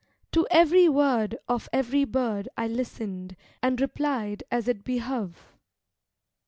To every word Of every bird I listen'd, and replied as it behove.